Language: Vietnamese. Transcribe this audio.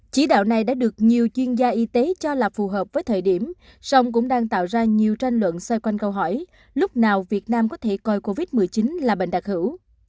chỉ đạo này đã được nhiều chuyên gia y tế cho là phù hợp với thời điểm song cũng đang tạo ra nhiều tranh luận xoay quanh câu hỏi lúc nào việt nam có thể coi covid một mươi chín là bệnh đặc hữu